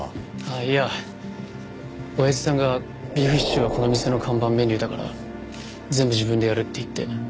いやおやじさんがビーフシチューはこの店の看板メニューだから全部自分でやるって言って。